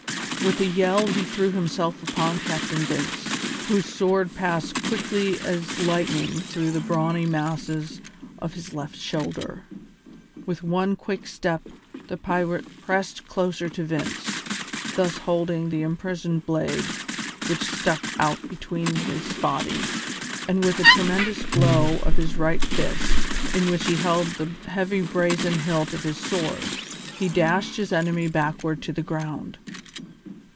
With a yell he threw himself upon Captain Vince, whose sword passed quick as lightning through the brawny masses of his left shoulder. With one quick step, the pirate pressed closer to Vince, thus holding the imprisoned blade, which stuck out behind his body, and with a tremendous blow of his right fist, in which he held the heavy brazen hilt of his sword, he dashed his enemy backward to the ground.